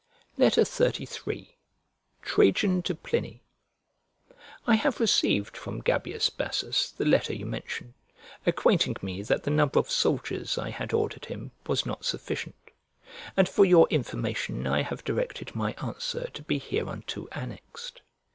XXXIII TRAJAN TO PLINY I HAVE received from Gabius Bassus the letter you mention, acquainting me that the number of soldiers I had ordered him was not sufficient; and for your information I have directed my answer to be hereunto annexed.